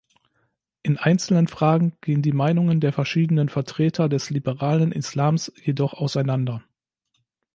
In einzelnen Fragen gehen die Meinungen der verschiedenen Vertreter des liberalen Islams jedoch auseinander.